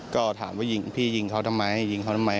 ก็ถามว่ายิงพี่ยิงเขาทำไมยิงเขาทำไม